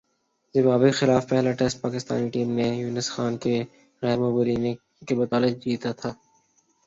Zimbabwe کے خلاف پہلا ٹیسٹ پاکستانی ٹیم نے یونس خان کی غیر معمولی اننگز کی بدولت جیتا تھا